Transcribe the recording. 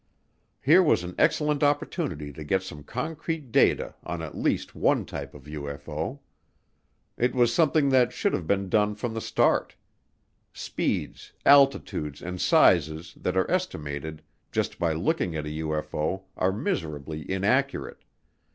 Here was an excellent opportunity to get some concrete data on at least one type of UFO. It was something that should have been done from the start. Speeds, altitudes, and sizes that are estimated just by looking at a UFO are miserably inaccurate.